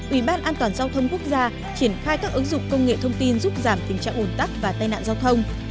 uban an toàn giao thông quốc gia triển khai các ứng dụng công nghệ thông tin giúp giảm tình trạng bồn tắc và tai nạn giao thông